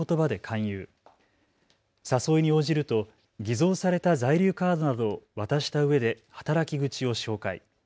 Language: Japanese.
誘いに応じると偽造された在留カードなどを渡したうえで働き口を紹介。